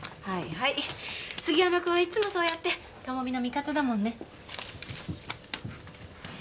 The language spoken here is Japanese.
はいはい杉山君はいつもそうやって朋美の味方だもんね。